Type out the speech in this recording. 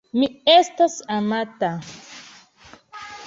Mi estas amata.